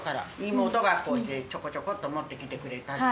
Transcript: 妹がちょこちょこっと持ってきてくれたり。